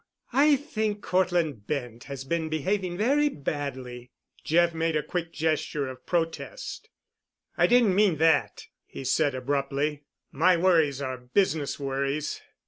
I think Cortland Bent has been behaving very badly." Jeff made a quick gesture of protest. "I didn't mean that," he said abruptly. "My worries are business worries."